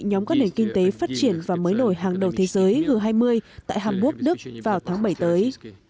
nhóm các nền kinh tế phát triển và mới nổi hàng đầu thế giới g hai mươi tại hàn quốc đức vào tháng bảy tới